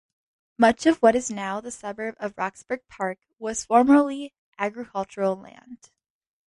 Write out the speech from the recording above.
Much of what is now the suburb of Roxburgh Park was formerly agricultural land.